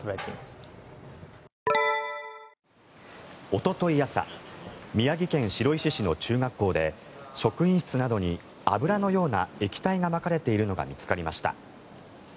おととい朝宮城県白石市の中学校で職員室などに油のような液体がまかれているのが見つかりました。